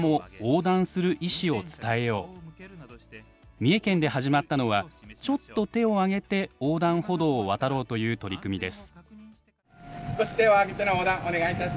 三重県で始まったのはちょっと手を上げて横断歩道を渡ろうという取り組みです。